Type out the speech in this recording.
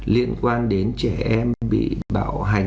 liên quan đến trẻ em bị bạo hành